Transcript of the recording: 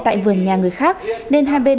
tại vườn nhà người khác nên hai bên